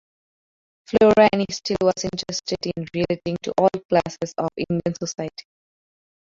Flora Annie Steel was interested in relating to all classes of Indian society.